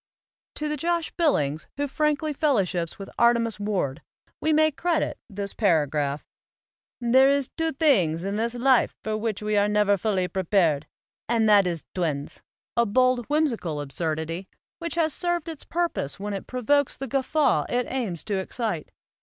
To the Josh Billings who frankly fellowships 112 AMERICAN APHORISMS with Artemus Ward we may credit this para graph: "There iz two things in this life for which we are never fully prepared, and that iz twins," a bold whimsical absurdity, which has served its purpose when it provokes the guffaw it aims to excite.